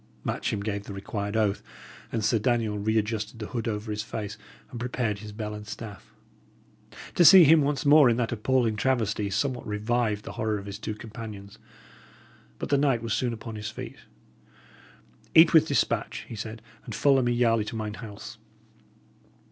Matcham gave the required oath; and Sir Daniel re adjusted the hood over his face, and prepared his bell and staff. To see him once more in that appalling travesty somewhat revived the horror of his two companions. But the knight was soon upon his feet. "Eat with despatch," he said, "and follow me yarely to mine house."